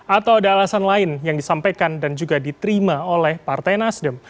atau ada alasan lain yang disampaikan dan juga diterima oleh partai nasdem